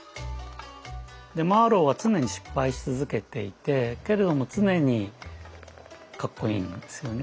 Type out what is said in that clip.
マーロウは常に失敗し続けていてけれども常にかっこいいんですよね